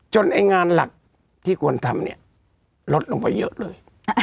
ไอ้งานหลักที่ควรทำเนี่ยลดลงไปเยอะเลย